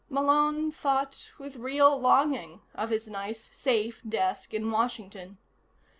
Malone thought with real longing of his nice, safe desk in Washington.